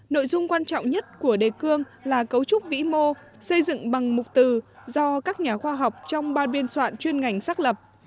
nội dung quan trọng nhất của đề cương là cấu trúc vĩ mô xây dựng bằng mục từ do các nhà khoa học trong ban biên soạn chuyên ngành xác lập